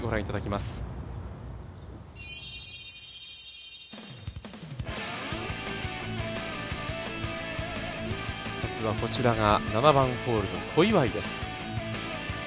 まずはこちらが７番ホールの小祝です。